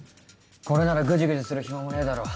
これならグジグジする暇もねえだろ